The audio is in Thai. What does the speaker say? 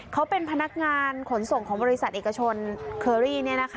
เขาเป็นพนักงานขนส่งของบริษัทเอกชนเคอรี่